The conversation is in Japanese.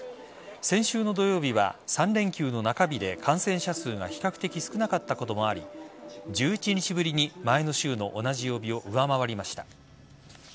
先週の土曜日は３連休の中日で、感染者数が比較的少なかったこともあり１１日ぶりに前の週の同じ曜日を上回りました。